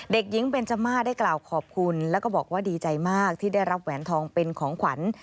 เด็กหญิงเบนจม่าได้กล่าวขอบคุณแล้วก็บอกว่าดีใจมากที่ได้รับแหวนทองเป็นของขวัญ